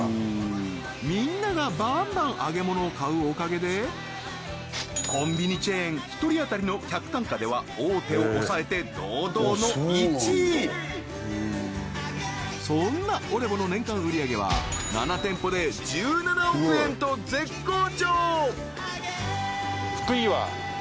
みんながバンバン揚げ物を買うおかげでコンビニチェーン１人あたりの客単価では大手をおさえて堂々の１位そんなオレボの年間売上げは７店舗で１７億円と絶好調！